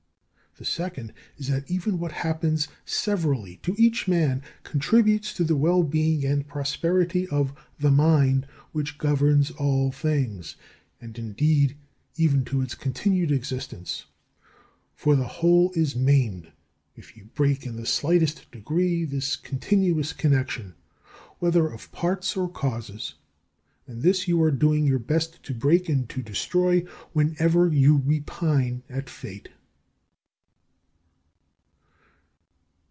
The second is, that even what happens severally to each man contributes to the well being and prosperity of the Mind which governs all things, and, indeed, even to its continued existence. For the whole is maimed if you break in the slightest degree this continuous connexion, whether of parts or causes. And this you are doing your best to break and to destroy whenever you repine at fate.